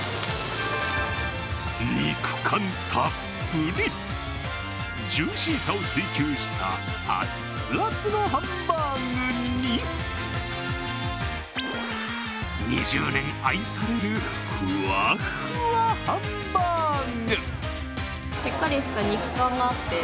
肉感たっぷり、ジューシーさを追究したあっつあつのハンバーグに、２０年愛されるふわっふわハンバーグ。